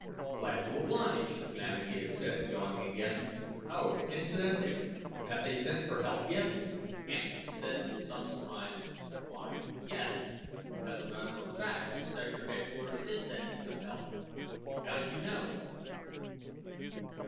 "Glad to oblige," the navigator said, yawning again. "Oh, incidentally, have they sent for help yet?" Hansen said with some surprise, "Why, as a matter of fact, Sector Headquarters is sending some help. How did you know?"